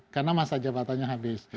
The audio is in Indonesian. karena masa jabatannya habis